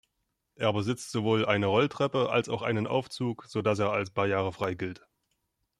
Er besitzt sowohl eine Rolltreppe als auch einen Aufzug, sodass er als barrierefrei gilt.